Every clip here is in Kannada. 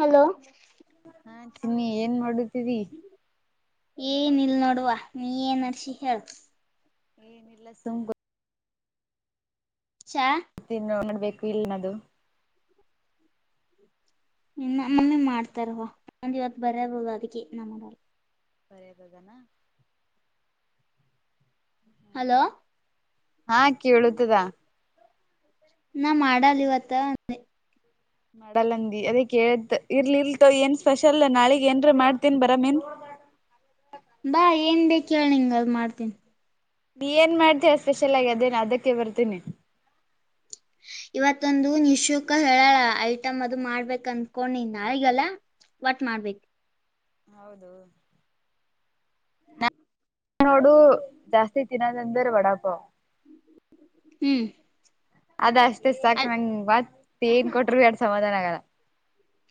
ಹಲೋ ಹಾ ಚಿನ್ನಿ ಏನ್ ಮಾಡುತಿದಿ ಏನ್ ಇಲ್ ನೋಡುವ ನೀ ಏನ್ ನಡ್ಸೀ ಹೇಳ ಏನ ಇಲ್ಲ ಸುಮ್ ಚ ತ್ತ ನೋಡ್ಬೇಕು ಇಲ್ನದು ನಮ್ ಮಮ್ಮಿ ಮಾಡ್ತಾರವಾ ನಂದ್ ಇವತ್ತ ಬರೇದದ ಅದಕ್ಕೆ ನಾಮಾಡಲ್ ಬರೇದದನ ಹ್ಮ ಹಲೋ ಹ್ಮ ಹಾ ಕೇಳುತದಾ ನಾ ಮಾಡಲ್ಲ ಇವತ್ತ ಅಂದೆ ಮಾಡಲಂದಿ ಅದೇ ಕೇತ್ ಇರ್ಲಿ ಇಲ್ತೋ ಏನ್ ಸ್ಪೆಷಲ್ ನಾಳೀಗ್ ಏನ್ರ ಮಾಡ್ತೀನ್ ಬರಮೇನ್ ಬಾ ಏನ್ ಬೇಕ ಹೇಳ್ನಿಂಗ ಅದ್ ಮಾಡ್ತೀನಿ ನೀ ಏನ್ ಮಾಡ್ತೀಯ ಸ್ಪೆಷಲ್ ಆಗಿ ಅದೇನ ಅದಕ್ಕೆ ಬರ್ತೀನಿ ಇವತ್ತೊಂದು ನಿಶುಕ್ಕ ಹೇಳ್ಯಾಳ ಐಟಮ್ ಅದು ಮಾಡ್ಬೇಕ ಅಂದಕೊಂಡೇನ್ ನಾಳೀಗಲ್ಲ ಬಟ್ ಮಾಡ್ಬೇಕು ಹೌದು ಹ್ಮ್ ನ ನೋಡು ಜಾಸ್ತಿ ತಿನ್ನದ್ ಅಂದಿರತ್ತು ಹ್ಮ್ ಅದೇ ಅಷ್ಟೇ ಅ ಸಾಕ್ ನಂಗ್ ಮತ್ ಏನ್ ಕೊಟ್ರ ಎಡ್ ಸಮಾಧಾನ ಆಗಲ್ಲ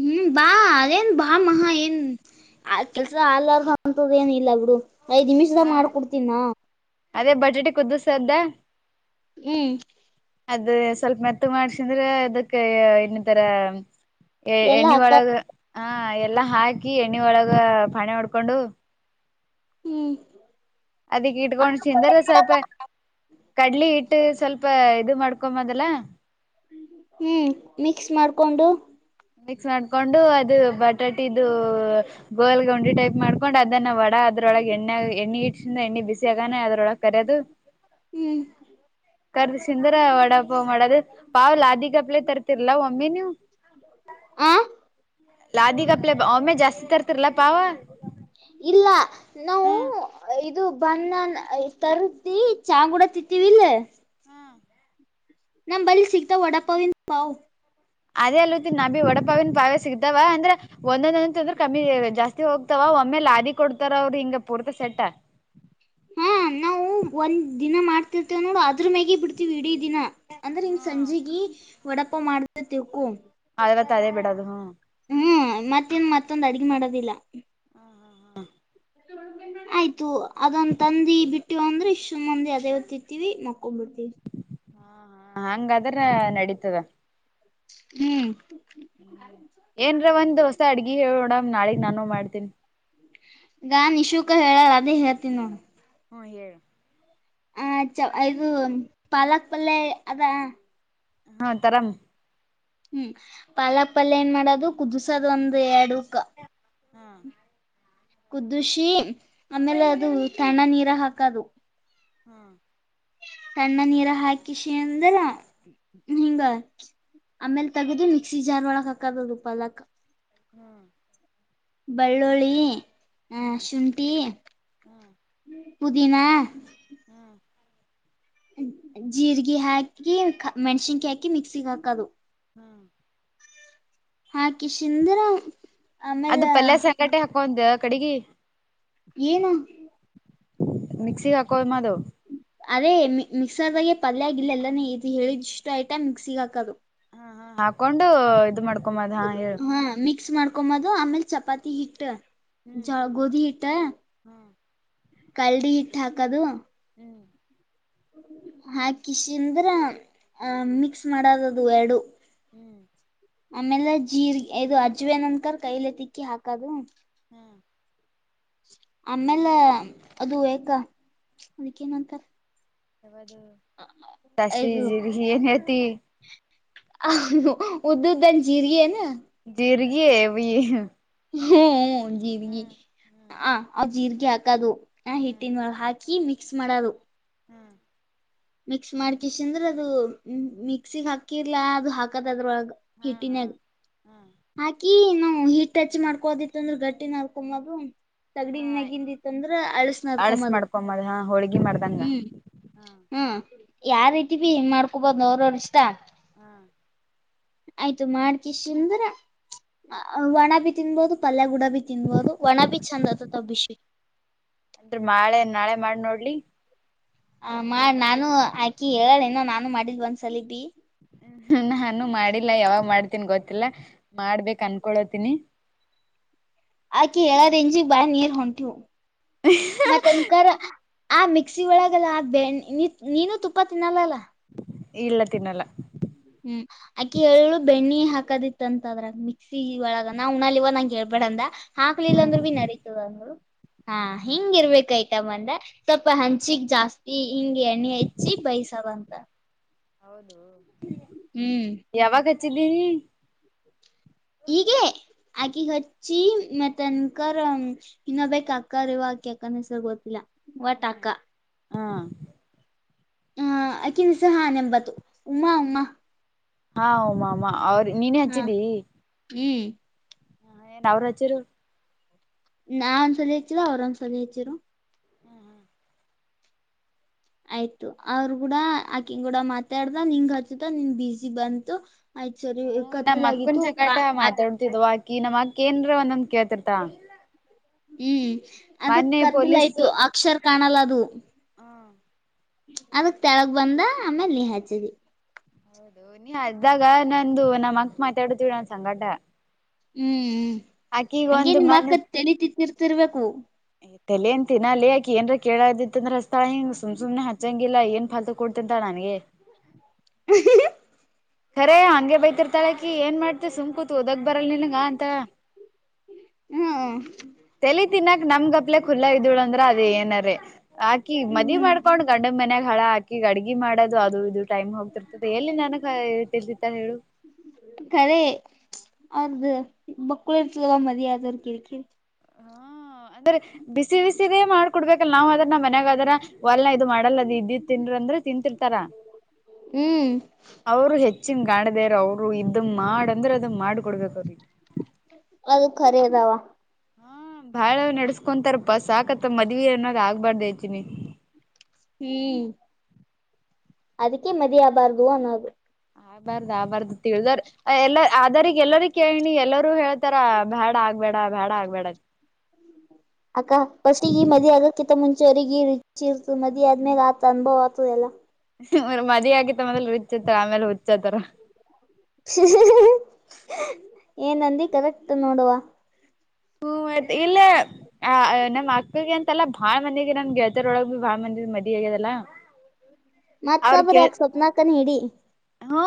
ಹ್ಮ್ ಬಾ ಅದೇನ್ ಬಾ ಮಹಾ ಏನ್ ಆ ಕೆಲಸ ಆಲಾರ್ದ ಅಂತದ್ ಏನಿಲ್ಲ ಬಿಡು ಐದ್ ಹ ನಿಮಿಷದಾಗ ಮಾಡ್ಕೊತ್ತಿನ ಅದೇ ಬಜೇಟ್ ಕುದ್ದಸ್ದ ಹ್ಮ್ ಅದ್ ಸ್ವಲ್ಪ ಮೆತ್ತಗ್ ಮಾಡ್ಸಿದ್ರೆ ಅದಕ್ಕೆ ಇನ್ನ್ ತರ ಎ ಎಲ್ಲಾ ಎಣ್ಣಿ ಹಾಕ ಒಳಗೆ ಹಾ ಎಲ್ಲಾ ಹಾಕಿ ಎಣ್ಣೆ ಒಳಗ ಪಾಣಿ ಹೊಡ್ಕೊಂಡು ಹ್ಮ್ ಅದಕ್ಕೆ ಇಟ್ಕೊಂಡ್ ಸಿದರೆ ಸಾಕ ಕಡಲೆ ಹಿಟ್ಟು ಸ್ವಲ್ಪ ಇದು ಮಾಡ್ಕೊಂಬದಲ್ಲ ಹ್ಮ್ ಮಿಕ್ಸ್ ಮಾಡ್ಕೊಂಡು ಮಿಕ್ಸ್ ಮಾಡ್ಕೊಂಡು ಅದು ಬಟಾಟಿದು ಗೋಲ್ ಗ ಉಂಡಿ ಟೈಪ್ ಮಾಡ್ಕೊಂಡು ಅದನ್ನ ಅದ್ರೊಳಗೆ ಎಣ್ಣೆ ಎಣ್ಣಿ ಇಕ್ಸೀ ಎಣ್ಣೆ ಬಿಸಿ ಆಗಾನ ಅದ್ರೊಳಗ್ ಕರಿಯೋದು ಹ ಹ್ಮ್ ಕರ್ದು ಸಿಂದರ ವಡಾಪಾವು ಮಾಡೋದು ಪಾವ ಲಾದಿಗಪ್ಲೆ ತರ್ತಿರ್ಲಾ ಒಮ್ಮೆ ನೀವು ಆ ಲಾದಿ ಕಪ್ಲೆ ಒಮ್ಮೆ ಜಾಸ್ತಿ ತರ್ತಿರ್ ಅಲ್ಲಾ ಪಾವ ಇಲ್ಲ ನಾವು ಹ್ಮ್ ಇದು ಬಣ್ಣ್ ತಾರಸಿ ಚಹಗುಡ ತಿತ್ತೀವಿ ಇಲ್ಲೆ ನಮ್ ಬಳಿ ಸಿಗ್ತಾವ ವಡಪ್ಪಾವಿನಾ ಬಾವು ಅದೇ ಅಲ್ ನಾ ಬಿ ವಡಪಾವನ್ ಪಾವೇ ಸಿಗ್ದಾವ ಅಂದ್ರೆ ಒಂದೊಂದೊಂದು ಅಂದ್ರೆ ಕಮ್ಮಿ ಜಾಸ್ತಿ ಹೋಗ್ತಾವ ಒಮ್ಮೇಲೆ ಲಾದಿ ಕೊಡ್ತಾರ ಅವ್ರ ಹಿಂಗ ಪೂರ್ತಿ ಸೆಟ್ಟ ಹಾ ನಾವು ಒಂದ್ ದಿನ ಮಾಡ್ತಿರ್ತೇವ ನೋಡು ಅದ್ ಅದ್ರ ಮ್ಯಾಗ ಬಿಡ್ತೀವಿ ಇಡೀ ದಿನ ಅಂದ್ರೆ ಇನ್ ಸಂಜೆೆಗೆ ವಡಪಾವು ಮಾಡ್ದತಿವಿ ತಿಳ್ಕೋ ಕರೇ ಬಿಡಾದು ಹ ಹ್ಮ್ ಮತ್ತೇನ್ ಮತ್ತೊಂದು ಅಡ್ಗೆ ಮಾಡೋದಿಲ್ಲ ಹಾ ಹಾ ಹಾ ಆಯ್ತು ಅದೊಂದ್ ತಂದಿ ಬಿಟ್ಟು ಅಂದ್ರೆ ಇಷ್ಟ ಮಂದಿ ಅದೇ ಇತಿವಿ ಮಕ್ ಕುಂಬಡಿ ಹಾ ಹ ಹಂಗದರೆ ನಡೀತದ ಹ್ಮ್ ಏನ್ರ ಒಂದ್ ದೋಸ ಅಡ್ಗಿ ಹೇಳೋಣ ನಾಳೆಗ್ ನಾನು ಮಾಡತೀನಿ ನಾನ್ ನಿಶೂಕ ಹೇಳಾರ ಅದೇ ಹೇಳ್ತೀ ನೋ ಹ್ಮ ಹೇಳು ಆ ಚ ಅದು ಒಂದ್ ಪಾಲಕ್ ಪಲ್ಯೆ ಅದ ಹಾ ತರಾಮ್ ಹ್ಮ್ ಪಾಲಕ್ ಪಲ್ಯೆ ಏನ್ ಮಾಡೋದು ಕುದುಸೋದು ಒಂದ್ ಎರಡ್ ಹೂಕ್ಕ ಹ್ಮ ಕುದ್ದುಶಿ ಆಮೇಲೆ ಅದು ಸಣ್ಣ ನೀರ ಹಾಕದು ಹ್ಮ್ ತಣ್ಣ ನೀರ ಹಾಕಿ ಶೀಂದರೆ ಹಿಂಗ ಆಮೇಲ್ ತಗದು ಮಿಕ್ಸಿ ಜಾರ್ ಒಳಗ್ ಹಾಕದು ಅದು ಪಾಲಕ ಹ್ಮ್ ಬೆಳ್ಳೋಳ್ಳಿ ಆ ಶುಂಠಿ ಪೂದೀನ ಹ್ಮ್ ಜೀರ್ಗಿ ಹಾಕಿ ಮೆಣ್ಸಿನ್ಕಿ ಹಾಕಿ ಮಿಕ್ಸಿ ಹಾಕದು ಹ್ಮ್ ಹಾಕಿ ಶುಿಂದರ ಅದು ಪಲ್ಯ ಸಂಗಟೆ ಹಾಕೊಂದ ಕಡೆಗಿ ಏನ ಮಿಕ್ಸಿಗೆ ಹಾಕೋ ಮಾದು ಅದೇ ಮಿಕ್ಸರ್ದಾಗೆ ಪಲ್ಯಗಿಲ್ಲ ಎಲ್ಲಾನೇ ಇದು ಹೇಳಿದ ಇಷ್ಟು ಆಯತಾ ಮಿಕ್ಸಿಗ್ ಹಾಕೋದು ಹ ಹಾಕೊಂಡು ಇದ ಮಾಡ್ಕೊಂಬದ್ ಹಾ ಹೇಳ ಮಿಕ್ಸ್ ಮಾಡ್ಕೊಂಬದು ಆಮೇಲ್ ಚಪಾತಿ ಹಿಟ್ಟ ಹ್ಮ್ ಜ ಗೋಧಿ ಹಿಟ್ಟ ಹ್ಮ್ ಕಲ್ದಿ ಹಿಟ್ಟು ಹಾಕದು ಹ್ಮ್ ಹಾಕಿ ಶಂದ್ರ ಅ ಮಿಕ್ಸ್ ಮಾಡದದು ಎರಡು ಹ್ಮ್ ಆಮೇಲೆ ಜೀರ್ ಇದು ಅಜ್ವ ನಂಕರ್ ಕೈಲೆ ತಿಕ್ಕಿ ಹಾಕದು ಹ್ಮ್ ಆಮೇಲೆ ಅದು ಹೇಗ ಅದಕ್ಕ ಏನುಂತಾರ ತಸ ಜರಿ ಏನತಿ ಅ ಉದುದನ್ ಜೀರಿಗೆ ನ ಜರುಗವಿ ಹ್ಮ ಜೀರ್ಗಿ ಹ್ ಜೀರ್ಗಿ ಹಾಕದು ಆ ಹ್ಮ್ ಹಿಟ್ಟಿನ ಒಳ ಹಾಕಿ ಹಾಕಿ ಮಿಕ್ಸ್ ಮಾಡೋದು ಹ್ಮ್ ಮಿಕ್ಸ್ ಮಾಡ್ಕಿಸ ಅಂದ್ರ ಅದು ಮಿಕ್ಸಿಗ್ ಹಾಕಿರ್ಲಾ ಅದು ಹಾಕದದ್ರ ಹ್ಮ್ ಹ್ಮ್ ಹ್ಮ್ ಹಾಕಿ ನಾ ಹೀಟ್ ಟಚ್ ಮಾಡ್ಕೋದಿತ್ತು ಅಂದ್ರ ಗಟ್ಟಿ ನಡ್ಕೊ ಮಾಗು ತಗಡನ್ ಹಾ ನಗನ್ಿತ್ತ ಅಂದ್ರ ಅಳ್ಸ ಅಳಸ್ ನದಕೊಂಬದು ಮಾಡ್ಕೊಂಬದ ಹಾ ಹೋಳ್ಗಿ ಮಾಡ್ದಂಗ ಹ್ಮ್ ಹ್ಮ ಯಾರ್ ರಐತಿ ಬಿ ಮಾಡ್ಕೊಬೋದು್ ಅವ್ರ ಅವ್ರ ಇಷ್ಟ ಹ್ಮ್ ಆಯ್ತು ಮಾಡ್ಕ ಶಂದ್ರ ಒಣ ಬಿ ತಿನ್ಬೋದು ಪಲ್ಯ ಗೂಡ ತಿನ್ಬಹುದು ಒಣ ಬಿ ಚಂದ ಆತತ್ಭಿಷೀ ಅಂದ್ರ ಮಳೆ ನಾಳೆ ಮಾಡಿ ನೋಡ್ಲಿ ಆ ಮಾಡ ನಾನು ಆಾಕಿ ಹೇಳಣ ನೋ ನಾನು ಮಾಡಿದ್ ಒಂದ್ಸಲ ನಾನು ಮಾಡಿಲ್ಲಾ ಯಾವಾಗ್ ಮಾಡ್ ನ್ ಗೊತ್ತಿಲ್ಲ ಮಾಡ್ಬೇಕ ಅನ್ಕೊಳೋತೀನಿ ಆಕಿ ಹೇಳ್ ಇಂಜಿ ಬಾ ನೀರ್ ಹೊಂಟವು ಮತ್ತ ಅನ್ಕ ಆ ಮ ಟ್ಯಾಕ್ಸಿ ಒಳಗೆಲ್ಲ ಅ ಬೆ ನೀನುೂ ತುಪ್ಪ ತಿನ್ನಲ್ಲಾ ಇಲ್ಲ ತಿನ್ನಲ್ಲ ಹಾಕದಿತ್ತ ಅಂತದ್ರ ಮಿಕ್ಸಿ ಒಳಗ ನಾವು್ಣಲ್ಲಿ ಇವ ನಂಂಗ ಹೇಳ್ಬೇಡಂದ ಹಾಕ್ಲಿಲ್ಲ ಅಂದ್ರು ಹಾ ಭೀ ನರಿತದಂದರು ಹಾ ಹಿಂಗ ಇರ್ಬೇಕಐ್ತಮ್ಮಂದ ಸ್ಪ ಹ್ಮ್ ಹಂಚಿಗ್ ಜಾಸ್ತಿ ಹಿಂಗ ಎಣ್ಣೆ ಹೆಚ್ಚಿ ಬೈಸವಂತ. ಹೌದು ಯಾವಾಗ ಹಚ್ಚಿದ್ದೀನಿ. ಈಗೆ ಆಕಿ ಹಚ್ಚಿ. ಮತ್ತ ಅನ್ಕರ್ ಇನ್ನೊ್ ಬಕ್ ಅಕ್ಕರ್ ಇವಕಿ ಅಕ್ಕನ್ ಹೆಸರು ಗೊತ್ತಿಲ್ಲ. ವಟಾಕ. ಹಾ. ಹ ಅಕಿನಿಸ ಹಾ ನ ಎಂಬತ್ತು ಉಮ್ಮಾ ಉಮ್ಮಾ. ಹಾ ಹಮ್ಮ ಅಮ್ಮ ಅವ್ರ ನೀನೇ ಹಾ ಹಚ್ಚಿದಿ. ಹ್ಮ್ ಹಾ ಏನ್ ಅವ್ರುಚರು. ನಾ ಒಂದ್ಸಲ ಹೆಚ್ಚಿದ ಅವ್ರುೊಂದ್ಸಲ ಹೆಚ್ಚರು. ಹ್ಮ್ ಹ್ಮ್. ಆಯ್ತು ಅವರು ಕೂಡ ಹಾಕಿ ಕೂಡ ಮಾತಾಡ್ದ ನಿನ್ಂಗ ಹಚ್ಚತ ನಿನ್ ಬಿಸಿ ಬಂತು. ಆಯ್ತ್ ಸರಿ ಹ್ಮ ನಮ್ಮ್ ಅಕ್ಕನ ಕತ್ತಲಾಗಿತ್ತು ಕಾ ಸಂಕಟ ಮಾತಾಡ್ತಿದ್ವಾ. ಈ ನಮ್ಮ ಅಕ್ಕೇಏನ್ರ ಒಂದೊಂದ ಕೇಳ್ತಿರ್ತ. ಹ್ಮ್ ಅದ ಕತ್ತಲಯ್ತು ಅಕ್ಷರ ಕಾಣಲ್ಲ ಅದು. ಹ ಅದಕ್ ಕೆಳಗೆ ಬಂದ ಆಮೇ ನೀ ಹಚ್ಚಿದ. ಹೌದು ನೀ ನಂದು ನಮ್ಮ ಅಕ್ ಮಾತಾಡುದವಿ ನನ್ ಸಂಗಟ. ಹ್ಮ್ ಆಕಿಗ್ ಹಂಗೇ ಒಂದ್ ನಿಮ್ಮಕ್ಕ ತೆಲಿ ತಿಂತಿರಬೇಕ. ತಲೆಏನ್ ಟೈನ್ ಅಲ್ಲ ಯಾಕ ಏನ್ ಕೇಳ್ತ್ತಂದ್ರೆ ಅಸ್ಳ ಹಿಂಗ ಸುಮ್ನ ಸುಮ್ನೆ ಹಚ್ಚಂಗ. ಹಂಗಿಲ್ಲ ಏನ್ ಫಲ್ತ ಕೊಡ್ತಂತ ನನ್ಗೆ. [unintelligible] ಕೆರೆ ಹಂಗೆ ಬೈತಿರ್ತಾಳಕಿ ಏನ್ ಮಾಡ್ತೆ ಸುಮ್ ಕೂತ್ ಒದಗ್. ಹ್ಮ್ [inaudible] ದಿನಾಕ್ ನಮ್ ಗಪ್ಲೆ ಖುಲ್ಲಾ ಇದ್ದಳ ಅಂದ್ರೆ ಅದ ಏನರ ಆಾಕಿ ಮದಿ ಹ್ಮ್ ಮಾಡ್ಕೊಂಡ್ ಗಂಡ ಮನ್ಯಾಗ. ಹಳ ಹಾಕಿ ಅಡ್ಗೆ ಮಾಡೋದು ಅದು ಇದು ಟೈಮ್ ಹೋಗ್ತಿರ್ತದೆ ಎಲ್ಲಿ ನನ. [inaudible] ಅವರದು ಬುಕ್ [unintelligible] ಮದಾದಕಕ್ಕೀ. ಹಾ ಅಂದ್ರೆ ಬಿಸಿ ಬಿಸಿದೇ ಮಾಡ್ಕೊಡ್ಬೇಕಲ್ಲ ನಾವ್ ಅದ್ರ ನ ಮನ್ಯಾಗ ಅದ್ರ ಒಲ್ ಇದು ಮಾಡ್. ಮಾಡಲ್ಲ ಇದ ತಿನ್ ಅಂದ್ರೆ ತಿಂತರ್ತಾರ ಹ್ಮ್ ಅವರು ಹೆ. ಹೆಚ್ಚಿನ್ ಕಾಣಿದೆರ ಅವ್ರು ಇದ್ ಮಾಡ್ ಅಂದ್ರೆ ಅದ ಮಾಡ್ಕ ಕೊಡ್ಬೇಕ ಅವ್ರಿಗೆ. ಅದು ಖರದಾವ. ಹ್ಮ ಬಾಳ ನಡೆಸ್ಕೊಂತಾರಪ್ಪ ಸಾಕತ್ತ ಮದ್ವಿ ಅನ್ನೋದ್ ಆಗ್ಬಾರ್ದ ಹೆಚ್ಚಿನಿ. ಹ್ಮ್ ಅದಕ್ಕೆೇ ಮದಬಾರದು ಅನ್ನದು. ಆಗ್ಬಾರ್ದ ಆಗ್ಬಾರ್ದ ತಿಳ್ದರ್ ಎಲ್ಲ ಆದರಿಗ್ ಎಲ್ಲರಿ ಕೇಳನಿ ಎಲ್ಲರೂ ಹೇಳ್ತಾರ ಬ್ಯಾಡ ಆ. ಆಗ್ಬೇಡ ಬೇಡ ಆಗ್ಬೇಡ. ಅಕ್ಕ ಫಸ್ಟ್ ಈ ಮದಿ ಆಗ. ಮುಂಚೆರಿರಿಗೆ ಇಚಿರ್ತ ಮದ ಆದ ಮೇ ಆತ ಅನುಭವ ಆತದೆ ಎಲ್ಲ. ಅವ ಮದಿ ಆಗತ್ತ ಮದಲು ರುಚ್ ಹತ್ತರ ಆಮೇಲೆ ಹುಚ್ ಹತ್ತರ. ಏನಂದಿ ಕರೆಕ್ಟ್ ನೋಡುವ. ಹ್ಮ ಇಲ್ಲ. ಆ ನಮ್ಮ್ ಅಕ್ಕಗೆ ಅಂತಲ್ಲಾ ಭಾಳ ಮಂದಿಗೆ ನಮ್ ಗೆಳತರ್ ಒಳಗ್ ಭಾಳ ಮಂದಿ ಮದಿ ಆಗ್ಯದಲ್ಲ. ಅವ್ರ ಮತ್ತೊಬ್ರ ಕೆ ಯಾಕ ಸ್ವಪ್ನಾಕನ್ ಹಿಡಿ ಹ್ಮ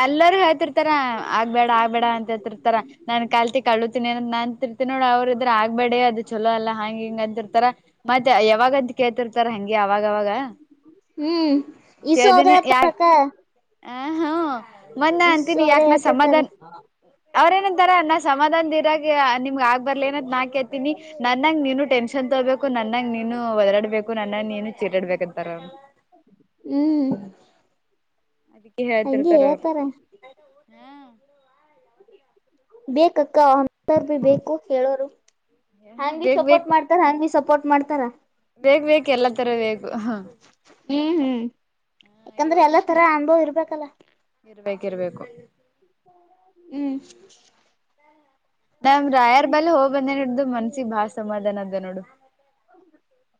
ಎಲ್ಲ. ಹೇಳ್ತಿರ್ತಾರ ಆಗ್ಬೇಡ ಆಗ್ಬೇಡ ಅಂತ ಹೇತ್ತತಿರ್ತಾರ ನಾನನ್ ಕಲ್ತಿ ಕಳತಿನಿ ನ. ಮ ನೋಡ ಅವ್ರ ಇದ್ರ ಆಗ್ಬೇಡಿ ಅದು ಚಲೋ ಅಲ್ಲಾ ಹಂಗ್ ಹಿಂಗ ಅಂತಿರ್ತಾರ ಮತ್ತೆ ಯಾವಾಗ ಅಂತ ಕೇಳ್ತಿರ್ತಾರ ಹಂಗಗೆ. ಅವಾಗವಾಗ. ಹ್ಮ್ [inaudible] ಹ ಹ್ಮ ಮೊನ್ನ ಇಸು ಅಂತೀನಿ ಯಾಕ ಅವ್ರೇ ನ ಹೇಳ್ತಿರ್ತಾರೆ ಸಮಾಧಾನ. ಅವ್ರ ಏನಂತಾರೆ ಅನ್ನ ಸಮಾಧಾನ ದರಾಗ. ನಿಮ್ಗ್ ಆಗ್ ಬರ್ಲಏನ ನಾನ್ ಕೇತೀನಿ ನನ್ನಂಗ ನೀನು ಟೆನ್ಷನ್ ತಗೋಬೇಕು ನನ್ನಂಗ ನೀನು ಒದಾಡ್ಬೇಕು. ನನ್ನ ನೀನು ಚೋರ್ಡ್ಬೇಕಂತಾರ. ಹ್ಮ್ ಅದಕ್ಕೆ ಹಂಗೆ ಹೇಳ್ತಿರ್ತಾರ ಅವರು ಹೇಳ್ತಾರ ಬೇಕಕ್ಕ ಅಸರ್ ಬೇಕು ಹೇಳೋರು ಹಾಂಗ ಸಪೋರ್ಟ್ ಮಾಡ್ತಾರ ಹಾಂಗ ಭ ಸಪೋರ್ಟ್ ಮಾಡ್ತಾರ ಬೇಗ್ ಬೇೇಕ ಎಲ್ಲಾ ತರ ಬೇಗು ಹ ಹ್ಮ್ ಹ್ಮ್ ಯಾಕಂದ್ರೆ ಎಲ್ಲ ತರ ಅನುಭವ ಇರ್ಬೇಕಲ್ಲ ಇರ್ಬೇಕ ಇರ್ಬೇಕು ಹ್ಮ್ ನಮ ರಾಯರ್ ಬಾಲ ಹೋಗ್ಬಂದೇ ನೋಡ್ದು ಮನ್ಸಿಗೆ ಬಾ ಸಮಾಧಾನದ ನೋಡು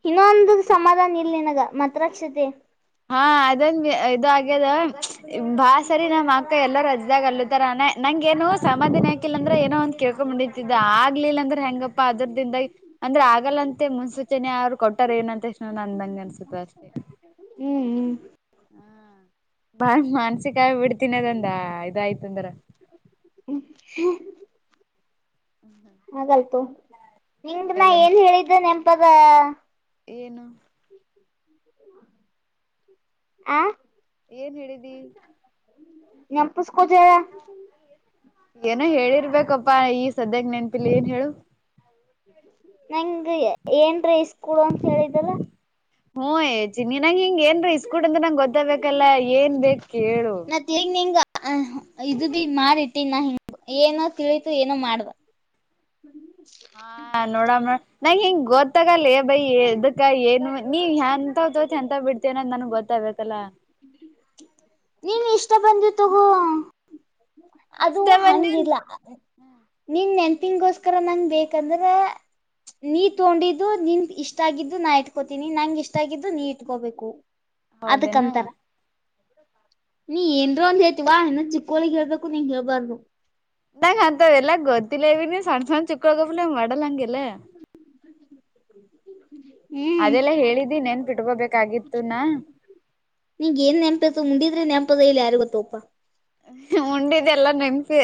ಇನ್ನೊಂದು ಸಮಾಧಾನ ಇಲ್ ನಿನಗ ಮಾತ್ರಾಕ್ಷತೆ ಹಾ ಅದೊಂದ ಇ ಆಗ್ಯದ ಬಾ ಸರಿ ನಮ್ಮ್ ಅಕ್ಕ ಎಲ್ಲರೂ ಅದ ಇದಾಗ ಅಲ್ಲ ತರಾನ ನಂಗಗೆ ಏನು ಸಾಮಾಾನ ಹಾಕಿಲ್ಲ ಅಂದ್ರೆ ಏನೋ ಕೇಳ್ಕೊಂಬಿತಿದ್ದ ಆಗ್ಲಿಲ್ಲ ಅಂದ್ರೆ ಹೆಂಗಪ್ಪಾ ಅದ್ರದಿಂದಾಗಿ ಅಂದ್ರೆ ಆಗಲ್ಲಂತೆ ಮುನ್ಸೂಚನೆ ಅವರು ಕೊಟ್ಟ ರ್ ಏನ ಅಂತ ಎಷ್ಟ ನ ಅಂದಂಗೆ ಅನ್ಸುತ್ತೆ ಅಷ್ಟೇ ಹ್ಮ ಹ್ಮ್ ಬಾ ಮಾನ್ಸಿಕ ಆಗ ಬಿಡ್ತೀನದಂದ ಇದಾಯ್ತು ಅಂದ್ರ ಹಾಗಗಲ್ತು ನಿಮ್ದ ನ ಆಗಲ್ಲ ಏನ್ ಹೇಳಿದ್ದ ನೆಪ ನಿನ್ನ ಪದ ಏನು ಆ ಏನ್ ಹೇಳಿದಿ ನೆನಸ್ಕೊ ಏನೋ ಹೇಳಿರ್ಬೇಕಪ್ಪ ಈ ಸದ್ಯಕ್ಕೆ ನೆನ್ಪಿಲಿ ಏನ್ ಹೇಳು ನಂಗೆ ಏನಾದರೂ ಇಸ್ ಕೊಡುಅಂತ ಹೇಳಿದಲ್ಲ ಹ್ಮ್ಏಜಿನ್ನಂಗ ಹಿಂಗ ಏನ್ರಾ ಇಸ್ಕೂಡ್ ಅ್ರ ನಂಗ ಗೊತ್ತಾಗಬೇಕು ಹಲ್ಲ ಏನ್ ಬೇಕು ಹೇಳು ಆ ಇದು ಬಿ ಮಾಡಿಟ್ಟಿನ್ ನಾ ಹಿಂಗ ಏನೋ ತಿಳಿತು ಏನೋ ಮಾಡ್ದ ಹಾ ನೋಡ ನ ನಂಗೆ ಹೆಂಗ್ ಗೊತ್ತಾಗಲ್ಲ ಬೈ ಇದದಕ್ಕ ಏನು ನೀವ್ ಎಂತ ತೋತಿ ಎಂತ ಬಿಡ್ತೇವನಂದ ನನ್ಗ್ ಗೊತ್ತಾಗ್ಬೇಕಲ್ಲ ಹ [inaudible] ನೀವ್ ಇಷ್ಟ ಬಂದಿ ತಗೋ ಅದು ಇಷ್ಟ ಬಂದಿನ್ ಹಂಗಿಲ್ಲ ನಿನ್ ನೆನ್ ತಿಂಗಗೋಸ್ಕರ ನಂಗ ಬೇಕಂದ್ರೆ ನೀ ತಗೊಂಡಿದ್ದು ನಿನ್ ಇಷ್ಟಗಿದ್ದು ನಾ ಇಟ್ಕೋತೀನಿ ನಂಗ ಇಷ್ಟ ಆಗಿದ್ದು ನೀ ಇಟ್ಕೋಬೇಕು ಹೌದೇನಾ ಅದಕ್ಕಂತಾರ ನೀ ಏನ್ರರು ಅಂದ ಹೇಳ್ತಿವಾ ಇನ್ನೊ್ ಚಿಕ್ಕೋಳಗ್ ಹೇಳ್ಬೇಕು ನೀನ್ ಹೇಳ್ಬಾರ್ದು ನಂಗ ಅಂತವ್ ಎಲ್ಲ ಗೊತ್ತಿಲ್ಲ ಇವ ನೀ ಸಣ್ಣ ಸಣ್ಣ ಚಿಕ್ಕಗಪ್ಲ ಮಾಡಲ್ಲ ಹಂಗೆಲ್ಲ ಹ್ಮ್ ಅದೆಲ್ಲ ಹೇಳಿದ್ದಿ ನೆನ್ ಬಿಟ್ಕೊಬೇಕಾಗಿತ್ತು ನ ನಿಗ್ ಏನ್ ನೆನ್ಪತ ಉಂಡಿದ್ದು ನೆನ್ಪತ ಇಲ್ಲ ಯಾರು ಗೊತ್ತೋಯಪ್ಪ ಉಂಡಿದ ಎಲ್ಲ ನೆನ್ಪಿ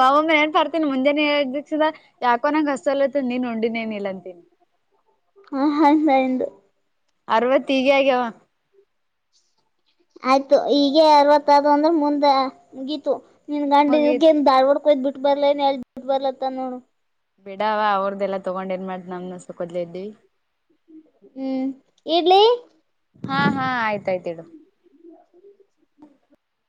ವಾವಮ್ಮ ಏನ್ ಪಡ್ತೀನಿ ಮುಂಜಾನೆಸ ಯಾಕ [unintelligible] [unintelligible] ಅರವತ್ತೀಗೆ ಆಗ್ಯಾವ ಆಯ್ತು ಈಗೆ ಅರವತ್ತದು ಅಂದ್ರೆ ಮುಂದೆ ಮುಗೀತು ನಿನ್ ಗಂಡ ಮುಗೀತ್ ಇದ ಧಾರ್ವಾಡ್ ಹಯದ್ ಬಿಟ್ಟ ಬಲ ಏನ್ ಎಲ್ ಬಿಟ್ಟ ಬರ್ಲತ್ತ ನೋಡು ಬಿಡವಾ ಅವ್ರ್ದೆಲ್ಲ ತೊಗೊಂಡ್ ಏನ್ ಮಾಡ್ತ ನಮ್ಸ ಕೊದ್ಲ ಇದ್ವಿ ಹ್ಮ್ ಇಡ್ಲಿ ಹಾ ಹಾ ಆಯ್ತಾಯ್ತ ಇಡು